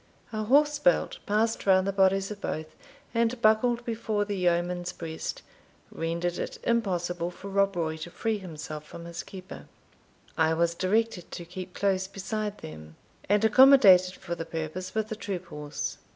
A horse belt, passed round the bodies of both, and buckled before the yeoman's breast, rendered it impossible for Rob Roy to free himself from his keeper. I was directed to keep close beside them, and accommodated for the purpose with a troop horse.